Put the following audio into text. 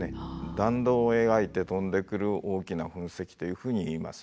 「弾道を描いて飛んでくる大きな噴石」というふうに言います。